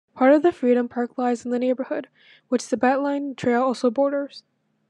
Part of Freedom Park lies in the neighborhood, which the BeltLine trail also borders.